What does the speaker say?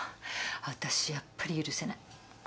私やっぱり許せない。